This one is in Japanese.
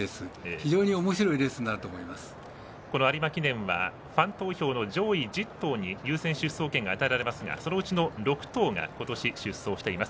非常におもしろいこの有馬記念はファン投票の上位１０頭に優先出走権が与えられますがそのうちの６頭が今年出走しています。